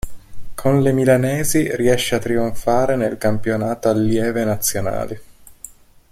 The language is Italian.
Con le milanesi riesce a trionfare nel campionato Allieve Nazionali.